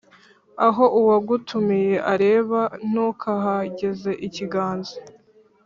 Aho uwagutumiye areba, ntukahageze ikiganza,